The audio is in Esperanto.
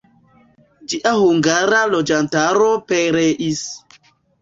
Ĝia hungara loĝantaro pereis.